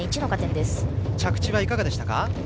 着地はいかがでしたか。